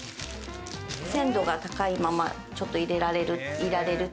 鮮度が高いままちょっと入れられる。